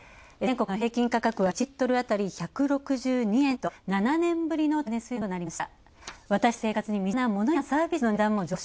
全国の平均価格は１リットルあたり１６２円と、７年ぶりの高値水準となりました。